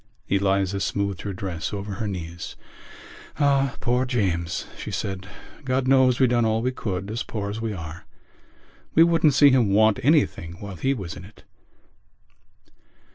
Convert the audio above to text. Eliza smoothed her dress over her knees. "Ah, poor James!" she said. "God knows we done all we could, as poor as we are—we wouldn't see him want anything while he was in it."